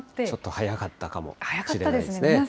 ちょっと早かったかもしれないですね。